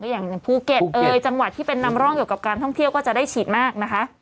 อย่างภูเก็ตจังหวัดที่เป็นนำร่องเกี่ยวกับการท่องเที่ยวก็จะได้ฉีดมากนะคะ